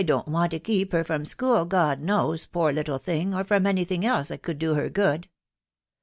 I don't want to keep her from school, God know*, poor little thing, or from any thing else that could do her good.